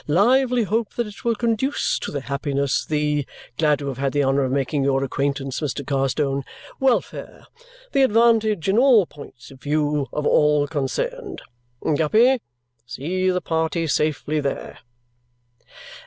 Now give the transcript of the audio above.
lively hope that it will conduce to the happiness, the (glad to have had the honour of making your acquaintance, Mr. Carstone!) welfare, the advantage in all points of view, of all concerned! Guppy, see the party safely there."